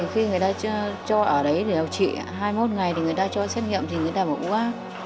khi người ta cho ở đấy để điều trị hai mươi một ngày người ta cho xét nghiệm thì người ta bảo u ác